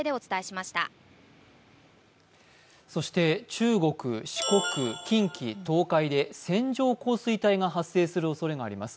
そして中国・四国・近畿・東海で線状降水帯が発生するおそれがあります。